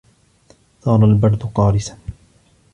صَارَ الْبَرْدُ قَارِسًا.